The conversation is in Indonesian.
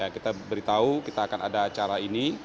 kita beritahu kita akan ada acara ini